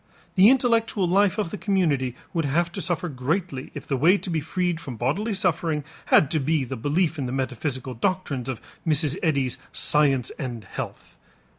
The intellectual life of the community would have to suffer greatly if the way to be freed from bodily suffering had to be the belief in the metaphysical doctrines of Mrs. Eddy's "Science and Health."